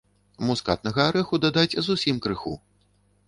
Мускатнага арэху дадаць зусім крыху.